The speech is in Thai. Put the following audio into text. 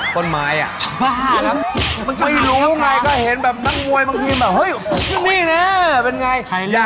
ใช้เลื่อย